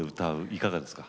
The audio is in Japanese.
いかがですか？